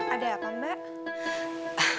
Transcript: ada apa mbak